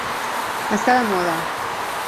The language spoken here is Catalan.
Estar de moda.